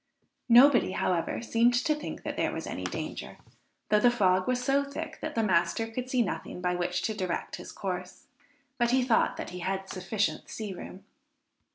Nobody, however, seemed to think that there was any danger, though the fog was so thick that the master could see nothing by which to direct his course; but he thought that he had sufficient sea room.